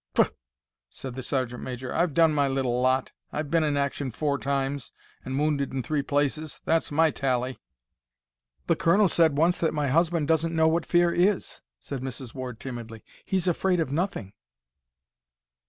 "Pph!" said the sergeant major. "I've done my little lot. I've been in action four times, and wounded in three places. That's my tally." "The colonel said once that my husband doesn't know what fear is," said Mrs. Ward, timidly. "He's afraid of nothing."